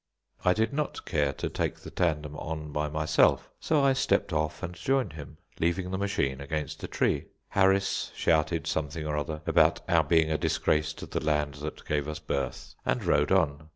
I did not care to take the tandem on by myself, so I stepped off and joined him, leaving the machine against a tree. Harris shouted something or other about our being a disgrace to the land that gave us birth, and rode on.